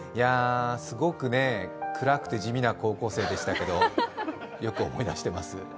すごく暗くて地味な高校生でしたけどよく思い出してます。